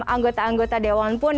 anggota anggota dewan pun